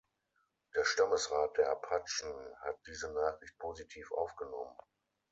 Der Stammesrat der Apachen hat diese Nachricht positiv aufgenommen.